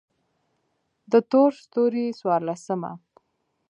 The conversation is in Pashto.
د تور ستوري څوارلسمه: